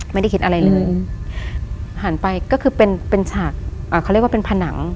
ไม่ได้คิดอะไรเลยหันไปก็คือเป็นเป็นฉากอ่าเขาเรียกว่าเป็นผนัง